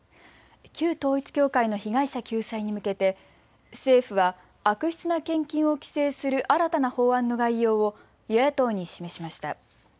旧統一教会の被害者救済に向けて政府は悪質な献金を規制する新たな法案の概要を与野党に示しました。